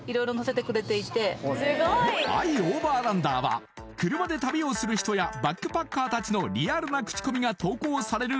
ｉＯｖｅｒｌａｎｄｅｒは車で旅をする人やバックパッカー達のリアルな口コミが投稿される